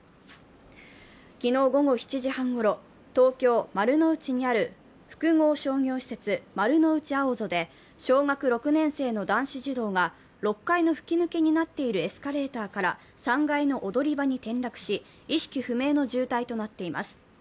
昨日午後７時半ごろ、東京・丸の内にある複合商業施設、丸の内オアゾで、小学６年生の男子児童が６階の吹き抜けになっているエスカレーターから３階の踊り場に転落し、意識不明の重体となっています。